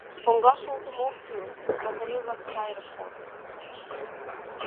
Коҥгаш олтымо ок кӱл, батарей-влак сай ырыктат.